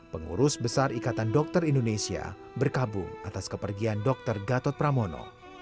pengurus besar ikatan dokter indonesia berkabung atas kepergian dr gatot pramono